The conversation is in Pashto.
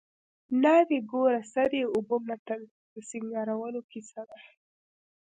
ناوې ګوره سر یې اوبه متل د سینګارولو کیسه ده